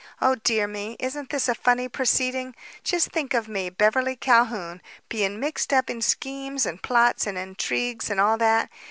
"Oh, dear me! Isn't this a funny proceeding? Just think of me, Beverly Calhoun, being mixed up in schemes and plots and intrigues and all that.